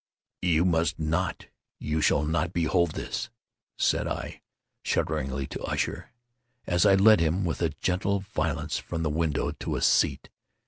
"You must not—you shall not behold this!" said I, shudderingly, to Usher, as I led him, with a gentle violence, from the window to a seat.